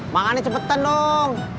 makan nih cepetan dong